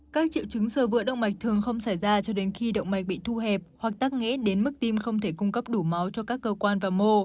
các triệu chứng sơ vữa động mạch thường không xảy ra cho đến khi động mạch bị thu hẹp hoặc tắc nghẽ đến mức tim không thể cung cấp đủ máu cho các cơ quan và mô